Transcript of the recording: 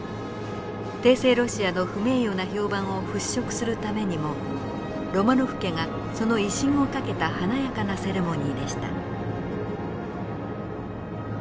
帝政ロシアの不名誉な評判を払拭するためにもロマノフ家がその威信を懸けた華やかなセレモニーでした。